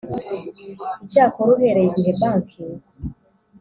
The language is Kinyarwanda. Icyakora uhereye igihe Banki